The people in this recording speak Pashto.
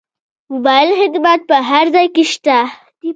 موبایل خدمات په هر ځای کې شته.